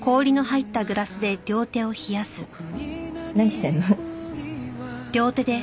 何してんの？